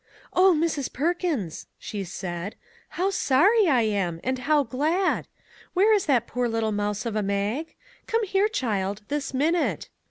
" Oh, Mrs. Perkins !" she said, " how sorry I am ; and how glad ! Where is that poor little mouse of a Mag? Come here, child, this min ute